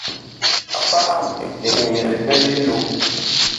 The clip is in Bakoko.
Paam ɛg nyɛɛ liɓɛ li loh.